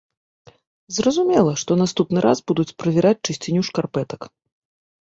Зразумела, што наступны раз будуць правяраць чысціню шкарпэтак.